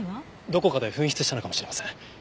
どこかで紛失したのかもしれません。